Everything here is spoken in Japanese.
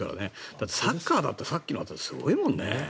だってサッカーだってさっきのすごいもんね。